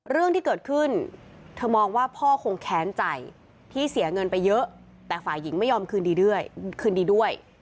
เรื่องที่เกิดขึ้นเธอมองว่าพ่อคงแค้นใจที่เสียเงินไปเยอะแต่ฝ่ายหญิงไม่ยอมคืนดีด้วยคืนดีด้วย